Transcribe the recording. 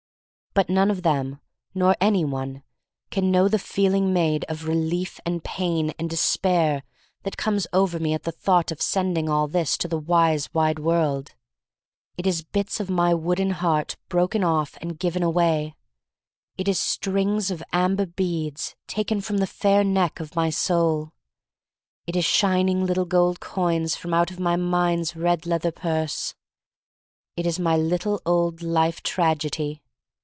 But none of them, nor any one, can know the feeling made of relief and pain and despair that comes over me at the thought of sending all this to the wise wide world. It is bits of my wooden heart broken off and given away. It is strings of amber beads 322 THE STORY OF MARY MAC LANE taken from the fair neck of my soul. It is shining little gold coins from out of my mind's red leather purse. It is my little old life tragedy.